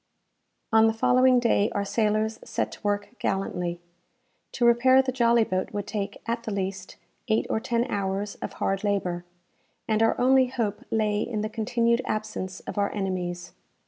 On the following day our sailors set to work gallantly. To repair the jolly boat would take, at the least, eight or ten hours of hard labour, and our only hope lay in the continued absence of our enemies.